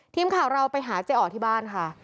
ทีมข่าวเราไปหาเจ๊อ๋อที่บ้านค่ะ